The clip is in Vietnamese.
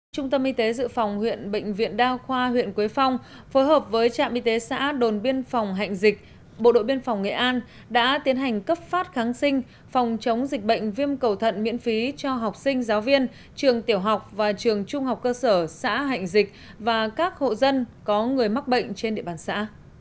trung tâm y tế dự phòng huyện bệnh viện đao khoa huyện quế phong phối hợp với trạm y tế xã đồn biên phòng hạnh dịch bộ đội biên phòng nghệ an đã tiến hành cấp phát kháng sinh phòng chống dịch bệnh viêm cầu thận miễn phí cho học sinh giáo viên trường tiểu học và trường trung học cơ sở xã hạnh dịch và các hộ dân có người mắc bệnh trên địa bàn xã